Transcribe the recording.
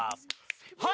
はい。